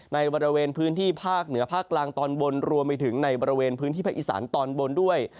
ในบริเวณพื้นที่ภาคเหนือภาคกลางตอนบนรวมไปถึงในบริเวณพื้นที่ภาคอีสานตอนบนด้วย